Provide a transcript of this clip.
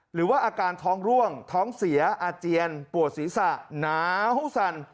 หรือว่าอาการท้องร่วงท้องเสียอาเจียนปวดศีรษะหนาวสั่น